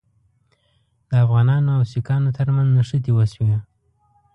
د افغانانو او سیکهانو ترمنځ نښتې وشوې.